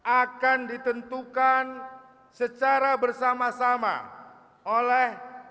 akan ditentukan secara bersama sama oleh ketua harian dpp partai gerindra dan pkb